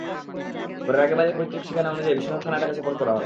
পরে রাগীব আলীর পৈতৃক ঠিকানা অনুযায়ী বিশ্বনাথ থানায় তাঁকে সোপর্দ করা হয়।